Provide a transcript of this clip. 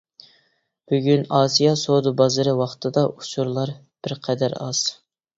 بۈگۈن ئاسىيا سودا بازىرى ۋاقتىدا ئۇچۇرلار بىرقەدەر ئاز.